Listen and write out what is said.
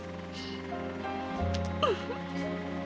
フフッ！